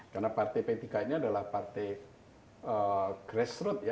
karena partai p tiga ini adalah partai grassroot ya